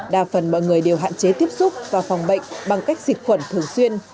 đa phần mọi người đều hạn chế tiếp xúc và phòng bệnh bằng cách dịch khuẩn thường xuyên